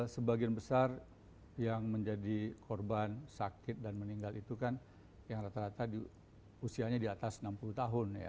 sebagian besar yang menjadi korban sakit dan meninggal itu kan yang rata rata usianya di atas enam puluh tahun ya